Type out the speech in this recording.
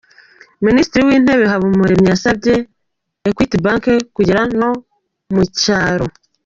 Minisitiri w’Intebe Habumuremyi yasabye Ekwiti Banke kugera no mu cyaro